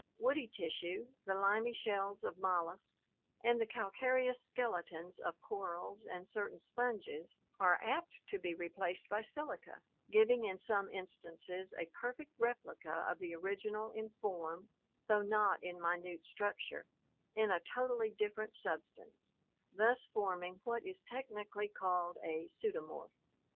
Woody tissue, the limy shells of molluscs and the calcareous skeletons of corals and certain sponges are apt to be replaced by silica, giving in some instances a perfect replica of the original in form, though not in minute structure, in a totally different substance, thus forming what is technically called a pseudomorph (see Fig. ioo).